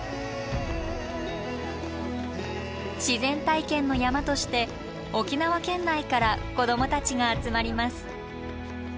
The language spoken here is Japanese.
自然体験の山として沖縄県内から子どもたちが集まります。